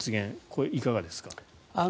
これ、いかがですか？